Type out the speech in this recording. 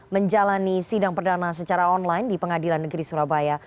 menjalani sidang perdana secara online di pengadilan negeri surabaya